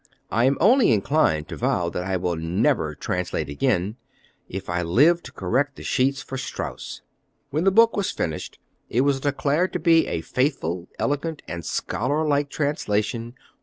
I am only inclined to vow that I will never translate again, if I live to correct the sheets for Strauss." When the book was finished, it was declared to be "A faithful, elegant, and scholarlike translation